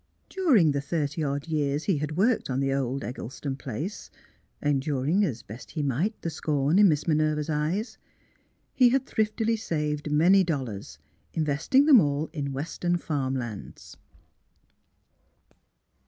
During the thirty odd years he had worked on the old Eggleston place (enduring as best he might the scorn in Miss Minerva's eyes) he had thriftily saved many dollars, investing them all in Western farm lands.